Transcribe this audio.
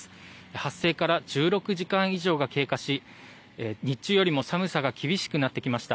発生から１６時間以上が経過し日中よりも寒さが厳しくなってきました。